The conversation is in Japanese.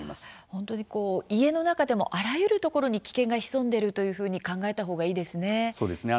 本当に家の中でもあらゆるところに危険が潜んでいるというふうに考えたほうがいいですね。